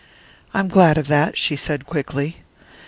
"I'm glad of that," she said quickly.